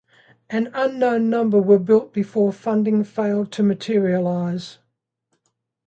An unknown number were built before funding failed to materialize.